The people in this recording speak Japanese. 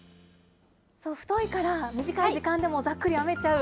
太いから、短い時間でもざっくり編めちゃう。